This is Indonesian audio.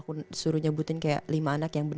aku suruh nyebutin kayak lima anak yang